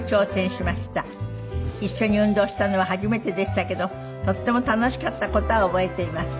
一緒に運動したのは初めてでしたけどとっても楽しかった事は覚えています。